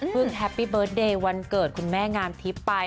เพิ่งแฮปปี้เบิร์ตเดย์วันเกิดคุณแม่งามที่ไป